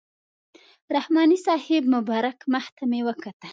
رحماني صاحب مبارک مخ ته مې کتل.